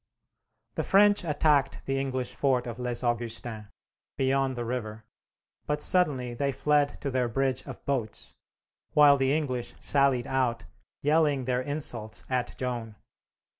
The French attacked the English fort of Les Augustins, beyond the river, but suddenly they fled to their bridge of boats, while the English sallied out, yelling their insults at Joan.